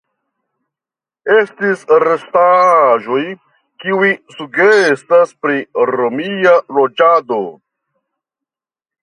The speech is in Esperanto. Estis restaĵoj kiuj sugestas pri romia loĝado.